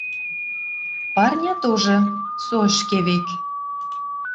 Парня тоже — со ӹшке век.